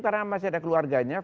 karena masih ada keluarganya